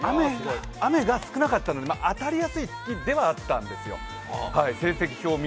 雨が少なかったんで、当たりやすくはあったんですよ。